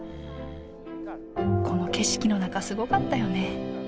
この景色の中すごかったよね。